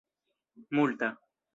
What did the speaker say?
multa